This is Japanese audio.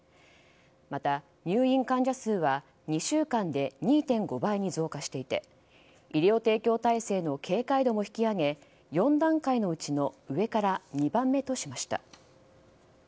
また入院患者数は２週間で２．５倍に増加していて医療提供体制の警戒度も引き上げ４段階のうちの上から２番目としました。